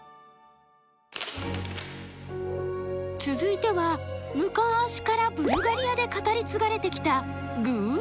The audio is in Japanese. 続いてはむかしからブルガリアで語り継がれてきたグぅ！